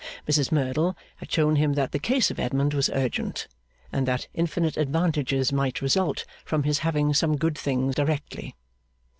Mrs Merdle had shown him that the case of Edmund was urgent, and that infinite advantages might result from his having some good thing directly.